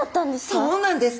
そうなんです！